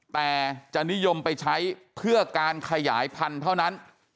แต่จะนิยมไปใช้เพื่อการขยายพันธุ์เท่านั้น